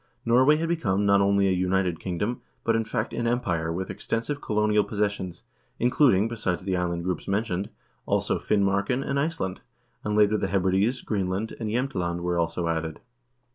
Norway had become not only a united king dom, but, in fact, an empire with extensive colonial possessions, including, besides the island groups mentioned, also Finmarken and Iceland ; and later the Hebrides, Greenland, and Jsemtland were also added.